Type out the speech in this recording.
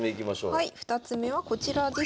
はい２つ目はこちらです。